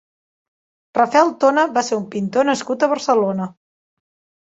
Rafel Tona va ser un pintor nascut a Barcelona.